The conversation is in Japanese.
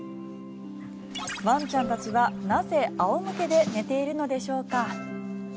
ワンちゃんたちは、なぜ仰向けで寝ているのでしょうか。